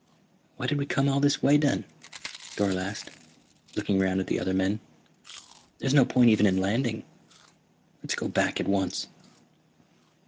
"Why did we come all this way, then?" Dorle asked, looking around at the other men. "There's no point even in landing. Let's go back at once."